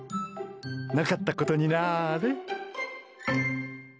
なかったことになーれ！